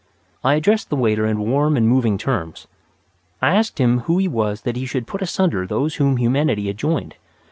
I addressed the waiter in warm and moving terms. I asked him who he was that he should put asunder those whom Humanity had joined.